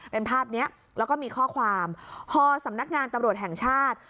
เป็นภาพนี้แล้วก็มีข้อความพอสำนักงานตำรวจแห่งชาติ